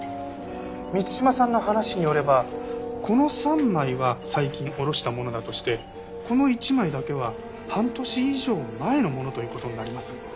満島さんの話によればこの３枚は最近下ろしたものだとしてこの１枚だけは半年以上も前のものという事になります。